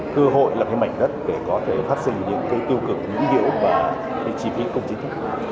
cơ hội là cái mảnh đất để có thể phát sinh những cái tiêu cực những điểm và cái chi phí công chính